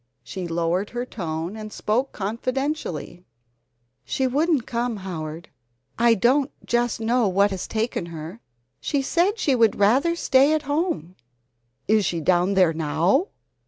She lowered her tone and spoke confidentially: "She wouldn't come, Howard: I don't just know what has taken her. She said she would rather stay at home " "Is she down there now?"